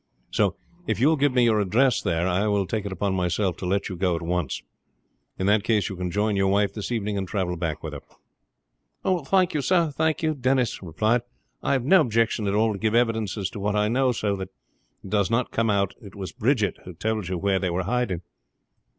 So, if you will give me your address there I will take it upon myself to let you go at once. In that case you can join your wife this evening and travel back with her." "Thank you, sir," Denis replied. "I have no objection at all to give evidence as to what I know, so that it does not come out it was Bridget who tould you where they were hiding."